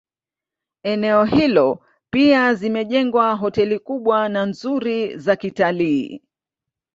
Eneo hilo pia zimejengwa hoteli kubwa na nzuri za kitalii